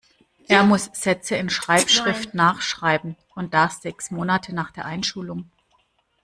Er muss Sätze in Schreibschrift nachschreiben. Und das sechs Monate nach der Einschulung.